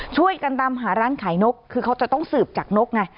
ช่วยกันตามหาร้านขายนกคือเขาจะต้องสืบจากนกไง